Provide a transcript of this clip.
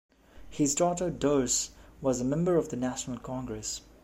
His daughter, Dirce, was a member of the National Congress.